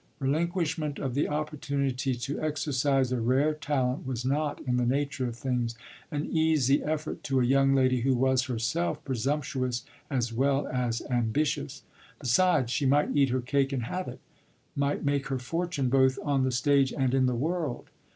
Relinquishment of the opportunity to exercise a rare talent was not, in the nature of things, an easy effort to a young lady who was herself presumptuous as well as ambitious. Besides, she might eat her cake and have it might make her fortune both on the stage and in the world.